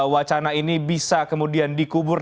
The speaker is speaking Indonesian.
wacana ini bisa kemudian dikubur